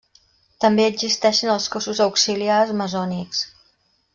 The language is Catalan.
També existeixen els cossos auxiliars maçònics.